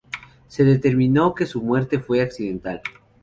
Se determinó que su muerte fue accidental.